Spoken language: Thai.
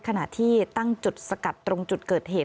ขณะที่ตั้งจุดสกัดตรงจุดเกิดเหตุ